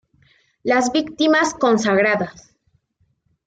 Las víctimas consagradas.